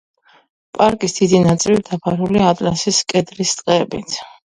პარკის დიდი ნაწილი დაფარულია ატლასის კედრის ტყეებით.